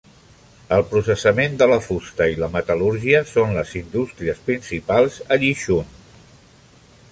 El processament de la fusta i la metal·lúrgia són les indústries principals a Yichun.